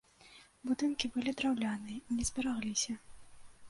Будынкі былі драўляныя, не зберагліся.